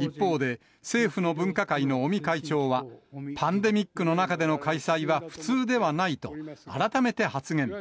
一方で、政府の分科会の尾身会長は、パンデミックの中での開催は普通ではないと、改めて発言。